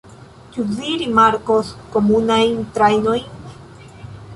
Ĉu vi rimarkos komunajn trajtojn?